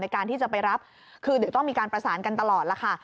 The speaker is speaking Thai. การที่จะไปรับคือเดี๋ยวต้องมีการประสานกันตลอดล่ะค่ะ